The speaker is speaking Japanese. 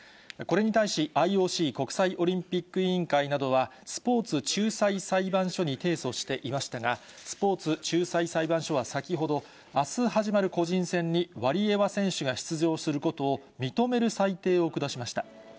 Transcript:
これに対し、ＩＯＣ・国際オリンピック委員会などは、スポーツ仲裁裁判所に提訴していましたが、スポーツ仲裁裁判所は先ほど、あす始まる個人戦にワリエワ選手が出場することを認める裁定を下しました。